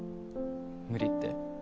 無理って？